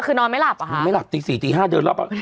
คือนอนไม่หลับหรอฮะนอนไม่หลับตีสี่ตีห้าเดินรอบ